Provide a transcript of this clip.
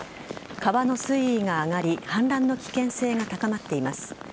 川の水位が上がり氾濫の危険性が高まっています。